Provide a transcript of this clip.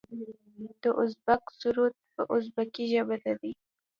د ازبک سرود په ازبکي ژبه دی.